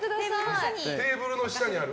テーブルの下にある。